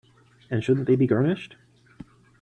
And shouldn't they be garnished?